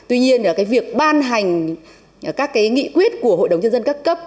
tuy nhiên là cái việc ban hành các cái nghị quyết của hội đồng nhân dân các cấp